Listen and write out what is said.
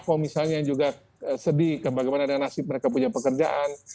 kok misalnya juga sedih ke bagaimana dengan nasib mereka punya pekerjaan